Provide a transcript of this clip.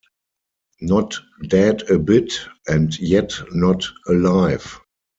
Not dead a bit, and yet not alive.